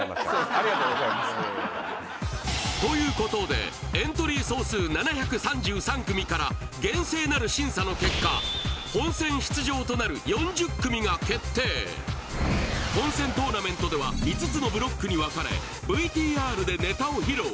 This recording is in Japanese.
ありがとうございますということでから厳正なる審査の結果本戦出場となる４０組が決定本戦トーナメントでは５つのブロックに分かれＶＴＲでネタを披露